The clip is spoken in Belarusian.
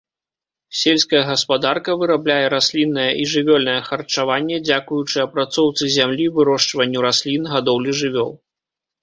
Сельская гаспадарка вырабляе расліннае і жывёльнае харчаванне, дзякуючы апрацоўцы зямлі, вырошчванню раслін, гадоўлі жывёл.